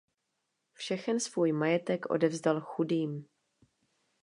Všechen svůj majetek odevzdal chudým.